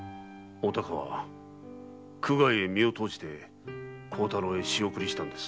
お孝は苦界へ身を投じて孝太郎へ仕送りしたのです。